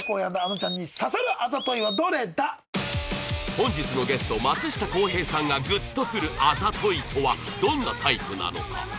本日のゲスト松下洸平さんがグッとくるあざといとはどんなタイプなのか